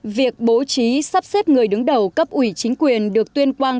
việc bố trí sắp xếp người đứng đầu cấp ủy chính quyền được tuyên quang